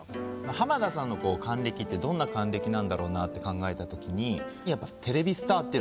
浜田さんの還暦ってどんな還暦なんだろうなって考えた時にやっぱ。